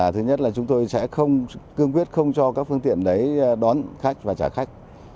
thứ nhất là chúng tôi sẽ không cương quyết không cho các phương tiện đấy đón khách và trả khách